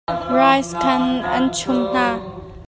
Raise khaan an chunh hna.